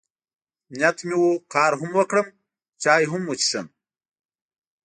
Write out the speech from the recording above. نیت مې و، کار هم وکړم، چای هم وڅښم.